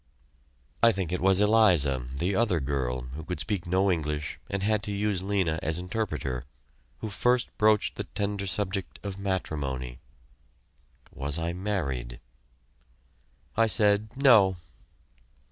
I think it was Eliza, the other girl, who could speak no English and had to use Lena as interpreter, who first broached the tender subject of matrimony. Was I married? I said, "No."